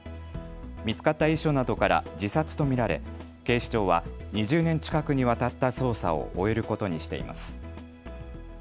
見つかった遺書などから自殺と見られ警視庁は２０年近くにわたった捜査を終えることにしています。